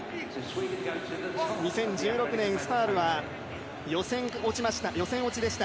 ２０１６年スタールは予選落ちでした。